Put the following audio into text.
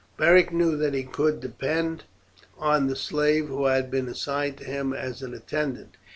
Beric knew that he could depend on the slave who had been assigned to him as an attendant.